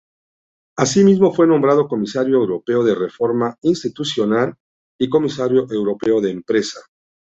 Así mismo fue nombrado "Comisario Europeo de Reforma Institucional" y "Comisario Europeo de Empresa".